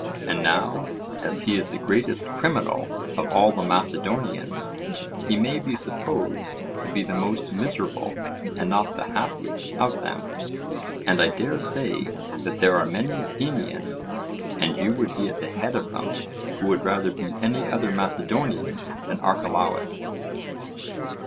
And now as he is the greatest criminal of all the Macedonians, he may be supposed to be the most miserable and not the happiest of them, and I dare say that there are many Athenians, and you would be at the head of them, who would rather be any other Macedonian than Archelaus!